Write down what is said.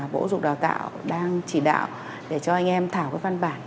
bộ giáo dục và đào tạo đang chỉ đạo để cho anh em thảo văn bản